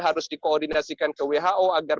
harus dikoordinasikan ke who agar